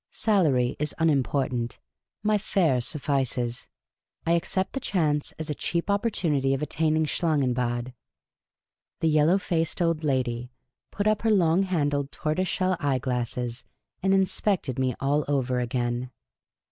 Salary is unimportant ; my fare suffices. I accept the chance as a cheap opportunity of attaining Schlangenbad." The yellow faced old lady put up her long handled tortoise shell eyeglasses and inspected me all over again.